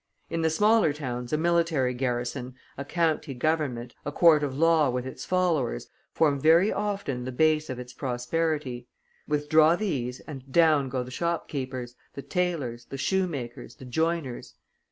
In the smaller towns a military garrison, a county government, a court of law with its followers, form very often the base of its prosperity; withdraw these, and down go the shopkeepers, the tailors, the shoemakers, the joiners.